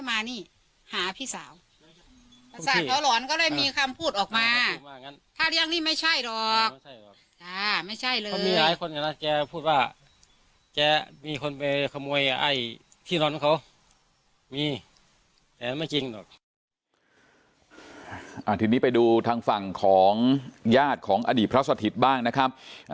ทีนี้ไปดูทางฝั่งของญาติของอดีตพระสถิตย์บ้างนะครับ